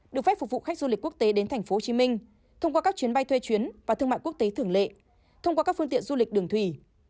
được phép phục vụ khách du lịch quốc tế đến tp hcm thông qua các chuyến bay thuê chuyến và thương mại quốc tế thường lệ thông qua các phương tiện du lịch đường thủy